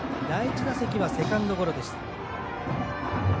第１打席はセカンドゴロ。